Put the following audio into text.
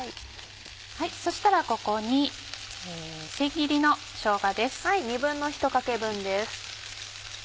そしたらここに千切りのしょうがです。